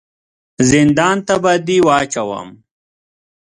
زندان ته به دي واچوم !